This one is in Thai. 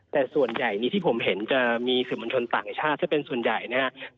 แต่ส่วนใหญ่นี้ที่ผมเห็นจะมีสื่อมวลชนต่างชาติซะเป็นส่วนใหญ่นะครับ